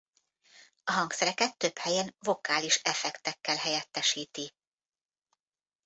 A hangszereket több helyen vokális effektekkel helyettesíti.